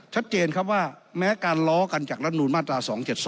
ชัดเจนครับว่าแม้การล้อกันจากรัฐนูลมาตรา๒๗๒